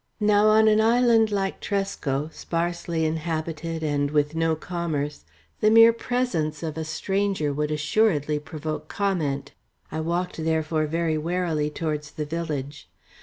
Now on an island like Tresco, sparsely inhabited and with no commerce, the mere presence of a stranger would assuredly provoke comment. I walked, therefore, very warily towards the village.